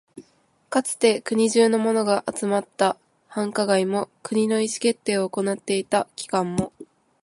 かつて国中のものが集まった繁華街も、国の意思決定を行っていた機関も、